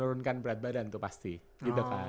menurunkan berat badan tuh pasti gitu kan